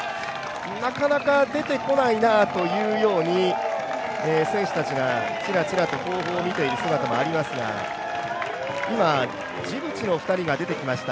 なかなか出てこないなというように選手たちがちらちらと後方を見ている姿もありますが、今、ジブチの２人が出てきました。